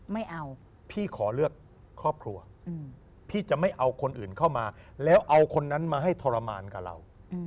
ไม่เอาพี่ขอเลือกครอบครัวพี่จะไม่เอาคนอื่นเข้ามาแล้วเอาคนนั้นมาให้ทรมานกับเรา